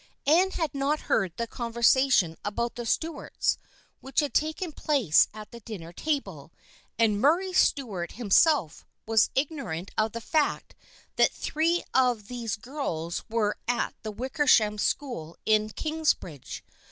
Anne had not heard the conversation about the Stuarts which had taken place at the dinner table, and Murray Stuart himself was igno rant of the fact that three of these girls were at the Wickersham School in Kingsbridge.